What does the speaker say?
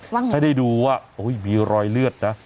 ไว้หนึ่งให้ได้ดูว่าบีรอยเลือดนะ